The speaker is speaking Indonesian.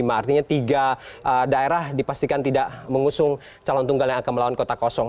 artinya tiga daerah dipastikan tidak mengusung calon tunggal yang akan melawan kota kosong